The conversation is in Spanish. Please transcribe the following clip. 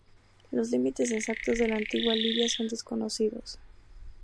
Los límites exactos de la antigua Libia son desconocidos.